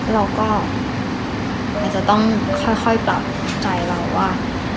เราก็อาจจะต้องค่อยปรับใจเราว่า